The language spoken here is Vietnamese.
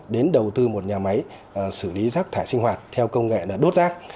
đến đầu tư một nhà máy xử lý rác thải sinh hoạt theo công nghệ là đốt rác